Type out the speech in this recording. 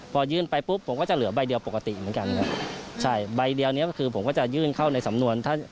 พอยื่นไปปุ๊บผมก็จะเหลือใบเดียวปกติเหมือนกันครับใช่ใบเดียวเนี้ยก็คือผมก็จะยื่นเข้าในสำนวนถ้า